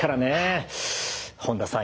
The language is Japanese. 本田さん